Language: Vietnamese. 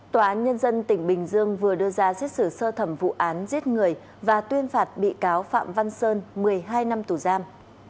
tòa án nhân dân tỉnh bình dương vừa đưa ra xét xử sơ thẩm vụ án giết người và tuyên phạt bị cáo phạm văn sơn một mươi hai năm tù giam